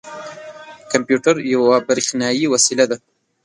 کمپیوټر یوه بریښنايې وسیله ده.